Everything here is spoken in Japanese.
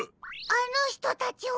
あのひとたちは。